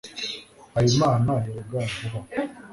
habimana yoga vuba